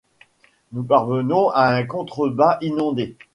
Nous parvenons à un contrebas inondé.